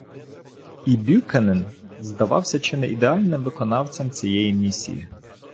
І Б’юкенен здавався чи не ідеальним виконавцем цієї місії.